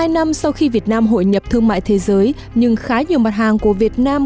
một mươi năm sau khi việt nam hội nhập thương mại thế giới nhưng khá nhiều mặt hàng của việt nam